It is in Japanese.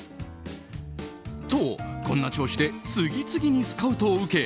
と、こんな調子で次々にスカウトを受け